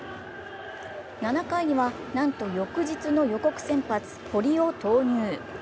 ７回には、なんと翌日の予告先発・堀を投入。